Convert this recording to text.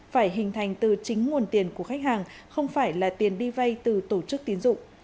phải hình thành từ chính nguồn tiền của khách hàng không phải là tiền đi vay từ tổ chức tiến dụng